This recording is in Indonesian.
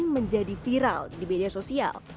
menjadi viral di media sosial